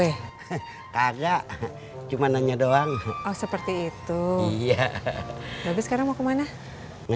hari ini mau kemana